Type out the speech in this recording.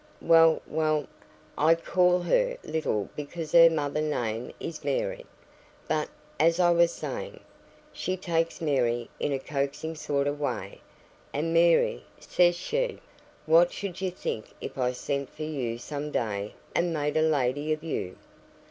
"Well, well, I call her 'little,' because her mother's name is Mary. But, as I was saying, she takes Mary in a coaxing sort of way, and, 'Mary,' says she, 'what should you think if I sent for you some day and made a lady of you?'